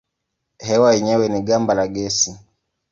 Hewa yenyewe ni gimba la gesi.